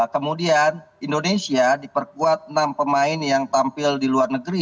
kemudian indonesia diperkuat enam pemain yang tampil di luar negeri